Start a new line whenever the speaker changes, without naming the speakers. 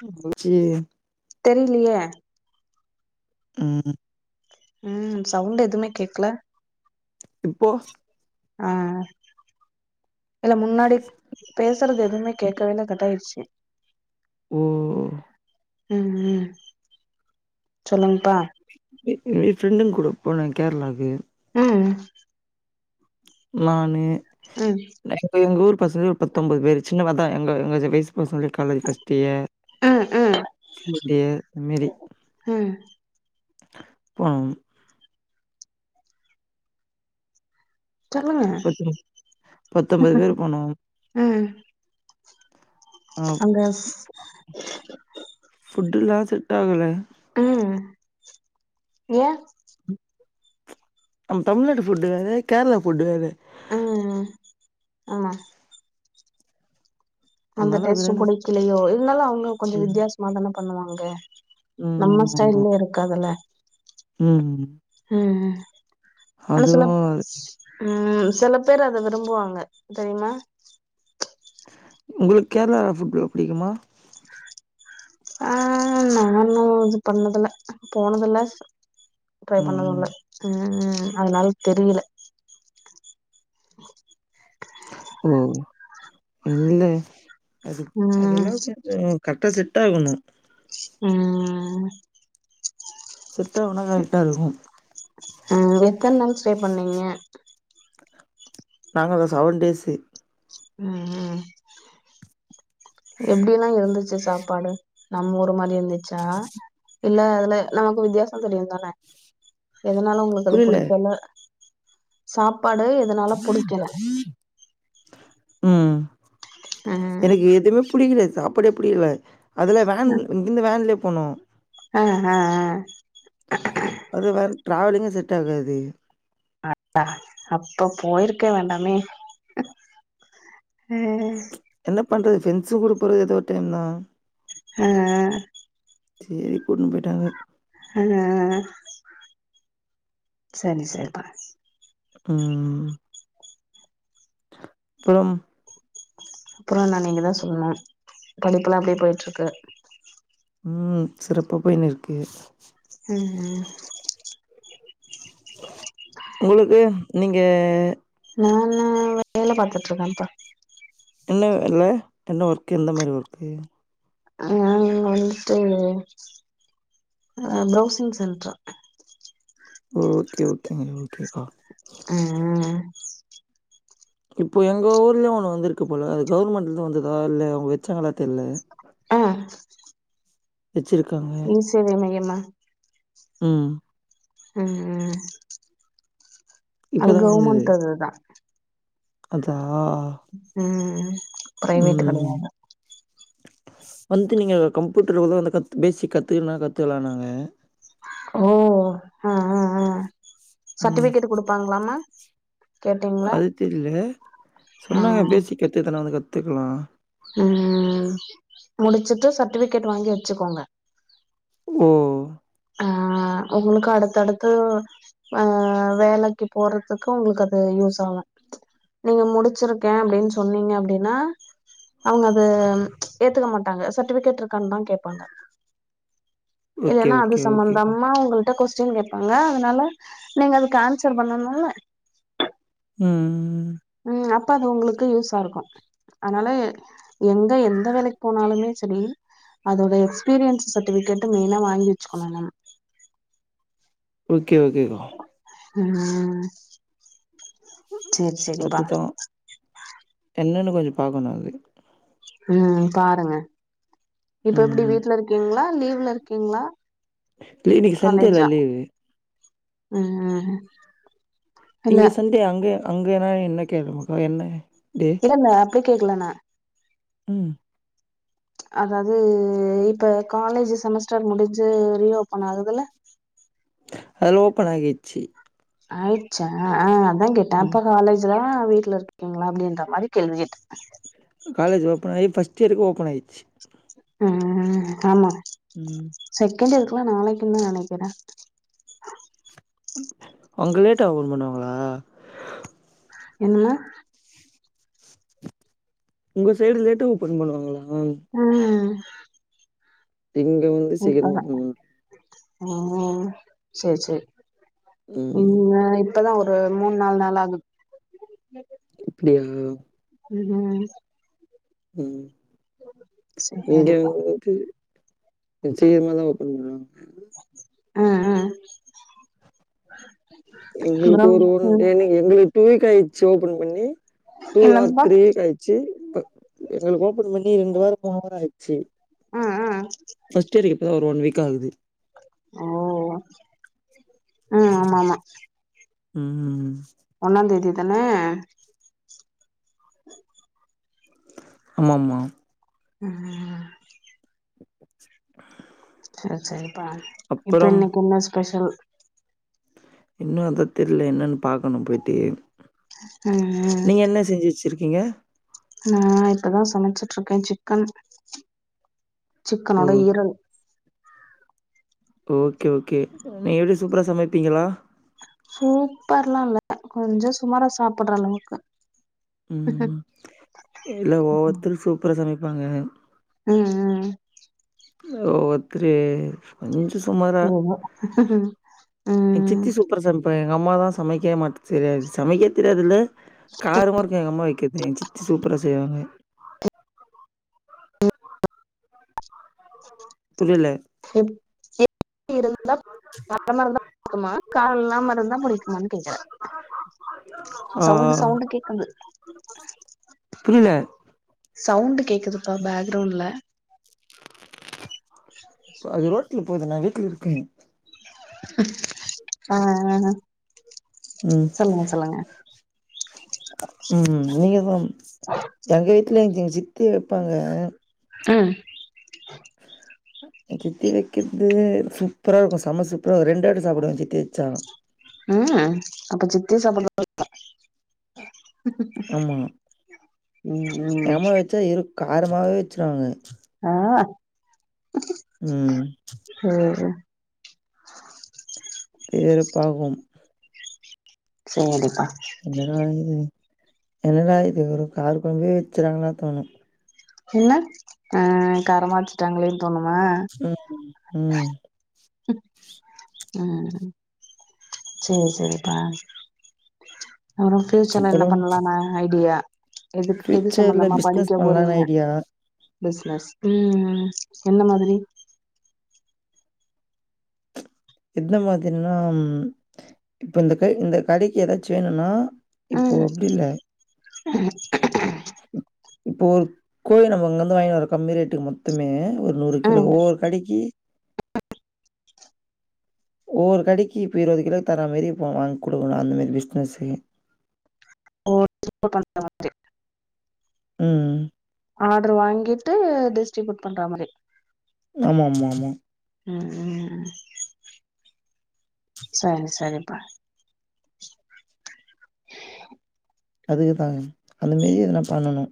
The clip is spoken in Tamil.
[unintelligible] ச்சி
தெரிலியே.
ம் ம்.
ம் சவுண்டு எதுமே கேக்ல.
இப்போ
ஆ இல்ல முன்னாடிக் பேசறது எதுமே கேக்கவே இல்ல கட்டாயிர்ச்சு.
ஓ
ம் ம் சொல்லுங்ப்பா.
எ எ ஃப்ரெண்டுங் கூட போனே கேரளாவுக்கு.
ம்.
நானு
ம்.
ந இப்ப எங்க ஊர் பசங்க ஒரு பத்தொம்பது பேரு சின்னவ அதா எங்க எங்கசு வயசு பசங்ளேக் காலேஜ் ஃபஸ்ட் இய
ம் ம்
செகண்ட் இய இந்மேரி
ம்
போனோம்.
சொல்லுங்க
பத்துனு பத்தொம்பது பேரு போனோ.
அங்க ஸ்
ஃபுட்டெல்லா செட்டாகல.
ம் ஏ?
நம் தமிழ்நாட்டு ஃபுட்டு வேற கேரளா ஃபுட்டு வேற.
அ அ ஆமா. அந்த
அதனால அதெல்லா
டேஸ்ட்டு
எனக்கு
புடிக்கலையோ இருந்தாலு அவுங்க கொஞ்சோ
ம்
வித்தியாசமாதான பண்ணுவாங்க.
ம்
நம்ம
ஆமாமா
ஸ்டைல்ல இருக்காதுல்ல.
ம் ம்.
ம் ம் ஆனா சிலப் ம் சில பேரு அத விரும்புவாங்க தெரிமா?
உங்குளுக் கேரளா ஃபுட்டு எல்லா புடிக்குமா?
ஆ நா இன்னு இது பண்ணதுல்ல போனதில்ல. சு ட்ரை பண்ணது
ம்
இல்ல ம் ம் அதுனால் தெரியில. [unintelligible]
ஓ இல்ல அது
ம்
அதெல்லா கேட்றயோ கரெட்டா செட் ஆகணு
ஆ
செட்டாவுனா கரெக்டா இருக்கு
ஆ எத்தன நாள் ஸ்டே பண்ணீங்க
நாங்கலா செவன் டேஸ்சு
ம் ம் எப்டி எல்லா இருந்துச்சி சாப்பாடு நம்ம ஊர் மாதி இருந்துச் சா இல்ல அதுல நமக்கு வித்தியாசோ தெரியுந்தான எதனால உங்களுக்கு அது
புரியல.
புடிக்கல சாப்பாடு எதனால புடிக்கல
ம்
ம்
எனக்கு எதுமே புடிக்கலே சாப்பாடே புடிக்கல அதுல வேன் இங்கிருந்து வேன்லயே போனோ
ஆ ஹ ஆ
அது வேற டிராவலிங்கே செட் ஆகாது
அ ஹ அப்ப போயிருக்க வேண்டாமே ம்
என்ன பண்றது ஃப்ரெண்ட்ஸ்ங்க கூட போறது ஏதோ ஒரு டைம் தா
ஆ ஆ
சேரி கூட்ன்னு போய்ட்டாங்க
ஆ ஆ ஆ சரி சரிப்பா
ம் அப்பறம்
அப்பறோ என்ன நீங்க தா சொல்லனு படிப்புலா எப்டி போயிட்ருக்கு
ம் சிறப்பா போயினு இருக்கு
ம் ம்
உங்களுக்கு நீங்க
நானு வேல பாத்துட்டு இருக்கே இப்ப
என்ன வேல என்ன ஒர்க்கு எந்த மாரி ஒர்க்கு
நானு வந்துட்டு ஆ ப்ரௌசிங் சென்டர்
ஓ ஓகே ஓகே ஓகேக்கா
ஆ
இப்ப எங்க ஊர்லயு ஒன்னு வந்துருக்கு போல அது கவர்மெண்ட்ல இருந்து வந்ததா இல்ல அவங்க வச்சாங்களா தெர்ல
ஆ
வச்சிருக்காங்க
இ சேவை மையம்மா
ம்
ஆ
இப்ப
அது
தான் வந்தது.
கவர்மெண்ட் அதுதா
அதா
ம் பிரைவேட்
ம்
கெடையாது
வந்து நீங்க கம்ப்யூட்டர்ல உள்ள அந்த கத் பேசிக் கத்துக்குனா கத்துக்கலானாங்க
ஓ ஆ ஆ ஆ
ம்.
சர்டிபிகேட் குடுப்பாங்களாமா கேட்டீங்ளா
அது தெர்ல
ஆ
சொன்னாங்க பேசிக் கத்துதனா வந்து கத்துக்கலா
ஆ முடிச்சிட்டு சர்ட்டிபிகேட் வாங்கி வச்சுக்கோங்க
ஓ
ஆ ஒங்களுக்கு அடுத்து அடுத்து ஆ வேலைக்கு போறதுக்கு ஒங்களுக்கு அது யூஸ் ஆகு நீங்க முடிச்சிருக்கே அப்டின்னு சொன்னீங்க அப்டின்னா அவுங்க அது ஏத்துக்க மாட்டாங்க சர்டிவிக்கேட் இருக்கானனு தா கேப்பாங்க
ஓகே ஓகே ஓகே
நா உங்கள்ட்ட கொஸ்டின் கேப்பாங்க அதனால நீங்க அதுக்கு ஆன்சர் பண்ணனுல
உம்
உம் அப்ப அது உங்களுக்கு யூஸ்சா இருக்கு அனால எங்க எந்த வேலைக்கு போனாலுமே செரி அதோட எக்ஸ்பீரியன்ஸ் சர்டிவிக்கேட்ட மெயினா வாங்கி வச்சுக்கணு நம்
ஓகே ஓகே கா
உம்
அதுதா என்னன்னு கொஞ்சோ பாக்கணு அது
உம் பாருங்க இப்ப எப்டி
ம்.
வீட்ல இருக்கீங்ளா லீவ்ல இருக்கீங்ளா
இல்ல இன்னைக்கு சண்டேல
காலேஜ்ஜா
லீவு.
உம் உம்
இங்கே சண்டே அங்கே அங்கேலா என்ன கேழம்ம ப்பா என்ன கே
இல்ல இல்ல அப்டி கேக்கல நா
உம்
அதாது இப்ப காலேஜ் செமஸ்டர் முடிஞ்சு ரீ ஓபன் ஆகுதுல
அலொ ஓபன் ஆகிச்சு
ஆயிட்ச்சா ஆ‌ அதாங் கேட்ட
ம்.
தாத்தா காலேஜ் இதா வீட்ல இருக்கீங்களா அப்டின்ற மாரி கேள்வி கேட்டு
காலேஜ் ஓபன் ஆயி ஃபஸ்ட்டு இயர்கு ஓபன் ஆயிட்ச்சு
உம் ஆமா
உம்
செகண்ட் இயருக்கு எல்லா நாளைக்குனு தா நெனைக்கிறே
அங்க லேட்டா ஒபன் பண்ணுவாங்களா
என்னமா
உங்க சைடு லேட்டா ஓபன் பண்ணுவாங்களா
ஹ
இங்க
இப்ப
சீக்கிரமா
தா
ஓப்பன் பண்ணுவாங்க.
உம் செர் செர்
ம்.
உம் இப்பதா ஒரு மூண் நாலு நாள் நாளா ஆகுது
அப்டியா
உம் உம்
உம் இங்க
சேரிப்பா
வந்து கொஞ்சோ சிக்கிரமா தா ஓப்பன் பண்ணுவாங்க
ஆ ஆ
எங்களுக்கு ஒரு டேனு எங்களுக்கு டூ வீக் ஆயிடுச்சு ஓப்பன் பண்ணி டூ ஆர்
என்னப்பா
தீ வீக் ஆயிடுச்சு எங்களுக்கு ஓப்பன் பண்ணி ரெண்டு வாரோ மூணு வாரோ ஆயிட்ச்சு
ம் ம்
ஃபஸ்ட் இயர் இப்ப தா ஓன் வீக் ஆகுது
ஓ உம் ஆமா ஆமா
உம்
ஒன்னா தேதி தானே
ஆமாமா
ம் செரி செரிப்பா இப்ப
அப்புறம்
இன்னைக்கி என்ன ஸ்பெஷல்
இன்னு அதா தெர்ல என்னன்னு பாக்கணும் போய்ட்டு
ம்
நீங்க என்ன செஞ்சு வச்சிருக்கீங்க
நா இப்பதா சமச்சுட்ருக்கே சிக்கன்
ஓ!
சிக்கனோட ஈரல்
ஓகே ஓகே நீங்க எப்டி சூப்பரா சமைப்பீங்களா
சூப்பர்லால்ல கொஞ்ச சுமாரா சாப்புட்ற அளவுக்கு
ம் இல்ல ஓவ்வத்தரு சூப்பரா சமைப்பாங்க
அ அ அ
ஓவ்வொத்தரு கொஞ்சொ சுமாரா
ஏதோ
எங்
ம்
சித்தி சூப்பரா சமைப் இப்ப எங்க அம்மா தா சமக்கவே மாட்டுத் செரியாவே சமைக்கே தெரியாதுல்ல காரமாருக்கூ எங்கம்மா வைக்கற்து எங்க சித்தி சூப்பரா செய்வாங்க புரியல
எப் எப்டி இருந்தா காரமாருந்தா புடிக்குமா காரொ இல்லாமருந்தா புடிக்குமான்னு கேக்குற
ஆ, ஆ.
சவுண்டு சவுண்டு கேக்குது
புரியில
சவுண்டு கேக்குதுப்பா பேக்ரவுண்ட்ல
அது ரோட்ல போது நா வீட்ல இருக்கே
ஆ ஆ
ம்
சொல்லுங்க சொல்லுங்க
ம் நீங்கதா
ஆ
எங்க வீட்டுல எங்க சித்தி வெப்பாங்க
அ
என் சித்தி வைக்கறது சூப்பரா இருக்கூ செம சூப்பரா இருக்கூ ரெண்டுவாட்டி சாப்டுவ சித்தி வெச்சா
அ அப்ப சித்தி [unintelligible]
ஆமா
ம் ம்
எங்கம்மா வெச்சா இரு காரமாவே வச்சிருவாங்க
ஆ
ம்.
அ
இது வெருப்பாகும்
சேரிப்பா
என்னடா இது என்னடா இது ஒரு கார கொழம்பே வச்சறாங்களான் தோணும்
என்ன ஆ காரமாச்சுட்டாங்களேன்னு தோணுமா
ம், ம்.
அ சேரி சேரிப்பா அப்றொ ஃபியூச்சர்ல என்ன
அப்புறம்
பண்ணலானு ஐடியா எதுக் எது
ஃபியூச்சர்ல
சம்பந்தமா
பிசினஸ்
படிக்க
பண்ணலான்னு
போறிங்க
ஐடியா.
பிஸ்னஸ் ம் எந்த மாதிரி
எந்த மாதிரினா ம் இப்ப இந்த க இந்த கடைக்கி எதாச்சு வேணுன்னா இப்போ அப்டில்ல
ம்
இப்போ ஒரு கோயொ நம்ம இங்கந்து வாய்ன்வரொ கம்மி ரேட்டுக்கு மொத்தமே ஒரு நூறு கிலோ
ம்
ஒவ்வொரு கடைக்கி
[inaudible]
ஒவ்வொரு கடைக்கி இப்ப இருவது கிலோ தர மாரி போவாங் குடுக்கணு அந்த மாரி பிஸ்னஸ்ஸு
[inaudible]
ம்
ஆட்ரு வாங்கிட்டு டிஸ்ட்ரிபியூட் பண்ற மாரி
ஆமாமா ஆமா
ம் சரி சரிப்பா
அதுக்குதாங்க அந்த மாரி எதனா பண்ணனு